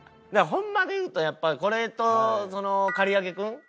ホンマで言うとやっぱりこれと刈り上げ君。